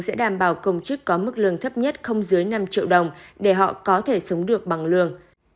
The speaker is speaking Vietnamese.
sẽ đảm bảo công chức có mức lương thấp nhất không dưới năm triệu đồng để họ có thể sống được bằng lương